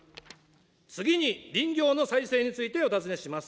次に、林業の再生についてお尋ねします。